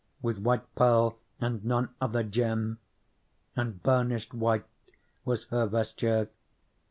With white pearl and none other gem ; And burnished white was her vesture.